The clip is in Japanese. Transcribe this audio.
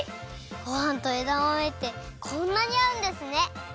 ごはんとえだまめってこんなにあうんですね！